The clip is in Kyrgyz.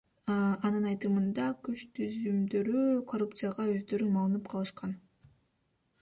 Анын айтымында, күч түзүмдөрү коррупцияга өздөрү малынып калышкан.